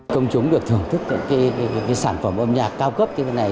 công chúng được thưởng thức những sản phẩm âm nhạc cao cấp như thế này